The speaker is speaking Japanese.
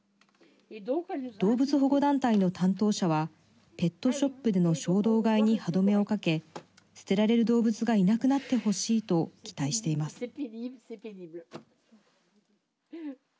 動物保護団体の担当者はペットショップでの衝動買いに歯止めをかけ捨てられる動物がいなくなってほしいと期待しています。